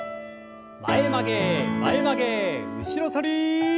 前曲げ前曲げ後ろ反り。